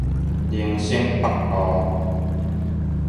林森北路